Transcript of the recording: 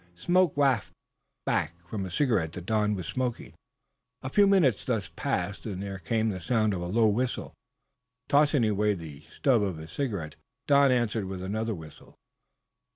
Smoke wafted back from a cigarette that Don was smoking. A few minutes thus passed, when there came the sound of a low whistle. Tossing away the stub of his cigarette, Don answered with another whistle.